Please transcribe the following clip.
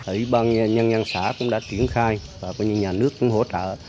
ủy ban nhân dân xã cũng đã triển khai và nhà nước cũng hỗ trợ